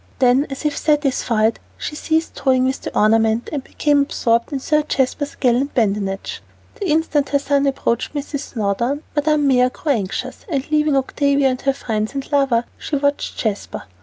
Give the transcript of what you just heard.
Then, as if satisfied, she ceased toying with the ornament and became absorbed in Sir Jasper's gallant badinage. The instant her son approached Mrs. Snowdon, Madame Mère grew anxious, and leaving Octavia to her friends and lover, she watched Jasper.